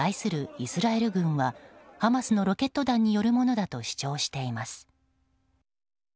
イスラエル軍はハマスのロケット弾によるものだと主張しています。